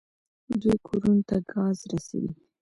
دوی کورونو ته ګاز رسوي.